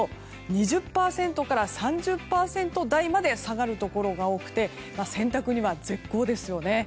２０％から３０％台まで下がるところが多くて洗濯には絶好ですよね。